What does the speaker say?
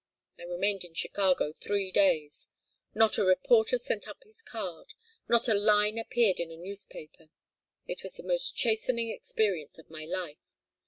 I remained in Chicago three days. Not a reporter sent up his card. Not a line appeared in a newspaper. It was the most chastening experience of my life.